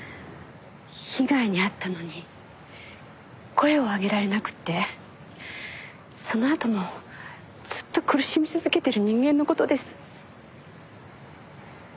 被害に遭ったのに声を上げられなくてそのあともずっと苦しみ続けてる人間の事です。